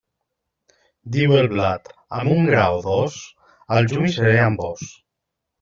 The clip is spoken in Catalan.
Diu el blat: amb un gra o dos, al juny seré amb vós.